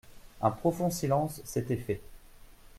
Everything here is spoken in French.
Un profond silence s'était fait.